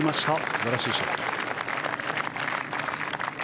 素晴らしいショット。